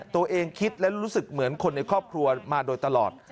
ตัวเองคิดและรู้สึกเหมือนคนในครอบครัวมาโดยตลอด